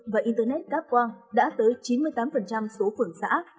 và internet đáp quan đã tới chín mươi tám số phưởng xã